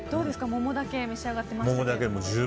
桃だけ召し上がっていましたが。